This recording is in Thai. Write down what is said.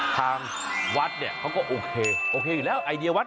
ทางวัดเนี่ยเขาก็โอเคโอเคอยู่แล้วไอเดียวัด